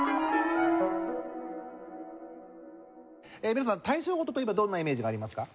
皆さん大正琴といえばどんなイメージがありますか？